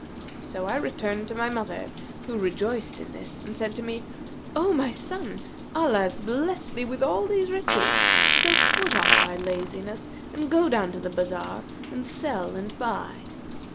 So I returned to my mother, who rejoiced in this and said to me, 'O my son, Allah hath blessed thee with all these riches; so put off thy laziness and go down to the bazar and sell and buy.'